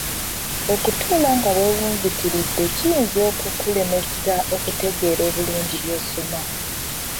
Okutuula nga weewunziikiridde kiyinza okukulemesa okutegeera obulungi by'osoma.